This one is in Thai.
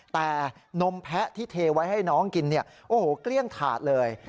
แต่นมแพะที่เทไว้ให้น้องกินเนี่ยโอ้โหเกลี้ยงถาดเลย